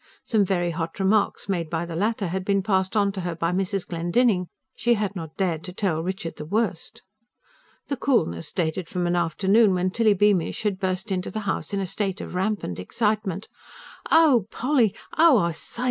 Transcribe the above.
Some very hot remarks made by the latter had been passed on to her by Mrs. Glendinning. She had not dared to tell Richard the worst. The coolness dated from an afternoon when Tilly Beamish had burst into the house in a state of rampant excitement. "Oh, Polly! oh, I say!